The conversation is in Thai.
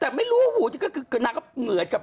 แต่ไม่รู้หนูหู๐๘ก็เหนือก